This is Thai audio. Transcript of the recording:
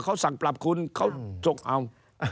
เขาสั่งปรับคุณเขาชกเอา